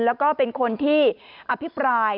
แล้วก็เป็นคนที่อภิปราย